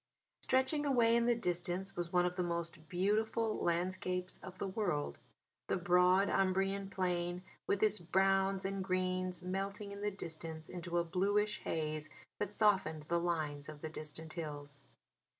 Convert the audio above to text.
Stretching away in the distance was one of the most beautiful landscapes of the world; the broad Umbrian Plain with its browns and greens melting in the distance into a bluish haze that softened the lines of the distant hills.